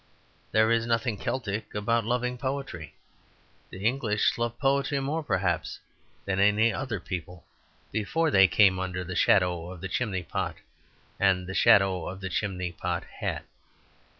There is nothing Celtic about loving poetry; the English loved poetry more, perhaps, than any other people before they came under the shadow of the chimney pot and the shadow of the chimney pot hat.